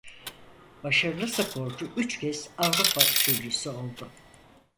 Başarılı sporcu üç kez Avrupa üçüncüsü oldu.